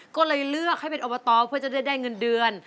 ก็เลยเลือกให้เป็นอบตเพื่อจะได้เงินเดือน